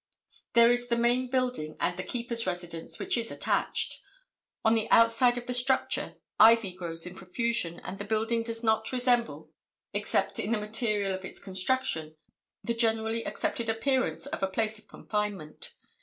There is the main building and the keeper's residence, which is attached. On the outside of the structure ivy grows in profusion and the building does not resemble, except in the material of its construction, the generally accepted appearance of a place of confinement.